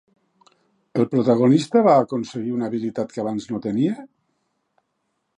El protagonista va aconseguir una habilitat que abans no tenia?